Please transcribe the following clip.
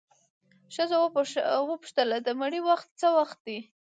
ښځه وپوښتله د مړي وخت څه وخت دی؟